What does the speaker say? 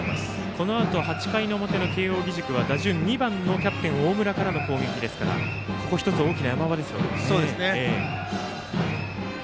このあと８回の表の慶応義塾は打順２番のキャプテン大村からの攻撃ですからここ１つ、大きな山場ですね。